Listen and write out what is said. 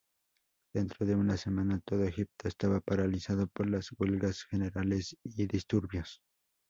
Dentro de una semana, todo Egipto estaba paralizado por las huelgas generales y disturbios.